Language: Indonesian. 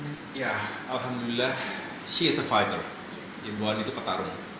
ya alhamdulillah she is a fighter ibu ani itu petarung